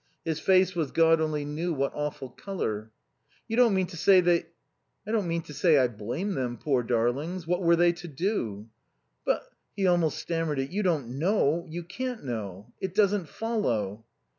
His face was God only knew what awful colour. "You don't mean to say they " "I don't mean to say I blame them, poor darlings. What were they to do?" "But" (he almost stammered it) "you don't know you can't know it doesn't follow."